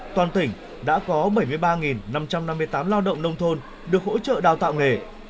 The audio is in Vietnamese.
toàn tỉnh đã có bảy mươi ba năm trăm năm mươi tám lao động nông thôn được hỗ trợ đào tạo nghề